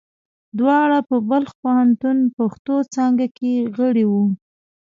دواړه په بلخ پوهنتون پښتو څانګه کې غړي وو.